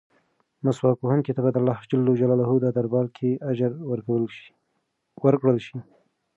مسواک وهونکي ته به د اللهﷻ په دربار کې اجر ورکړل شي.